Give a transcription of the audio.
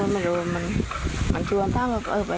มันบอกมันไปหนูไปนี่ก็ไป